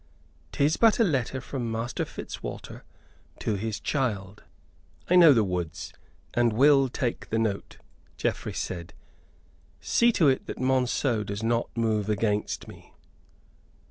'Tis but a letter from Master Fitzwalter to his child." "I know the woods and will take the note," Geoffrey said. "See to it that Monceux does not move against me."